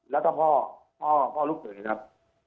แล้วก็พ่อพ่อลูกเขยนะครับ